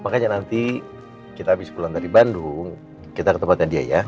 makanya nanti kita habis pulang dari bandung kita ke tempatnya dia ya